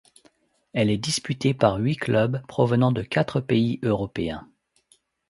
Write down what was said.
Elle est disputée par huit clubs provenant de quatre pays européens.